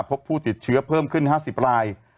พบผู้ติดเชื้อเพิ่มขึ้น๕๐ราย